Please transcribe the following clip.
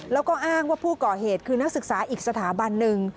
แล้วก็อ้างว่าผู้ก่อเหตุคือนักศึกษาอีกสถาบันหนึ่ง